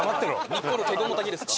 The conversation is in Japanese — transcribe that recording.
日光の華厳の滝ですか？